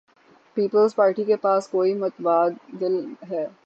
Peoples Party کے پاس کو ئی متبادل ہے؟